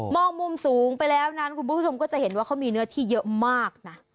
องมุมสูงไปแล้วนั้นคุณผู้ชมก็จะเห็นว่าเขามีเนื้อที่เยอะมากนะ